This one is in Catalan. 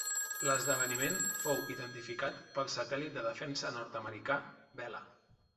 L'esdeveniment fou identificat pel satèl·lit de defensa nord-americà Vela.